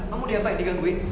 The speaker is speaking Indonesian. kamu diapa yang digangguin